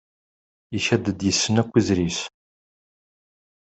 Ikad-d yessen akk izri-s.